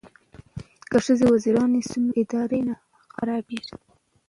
که ښځې وزیرانې شي نو اداره نه خرابیږي.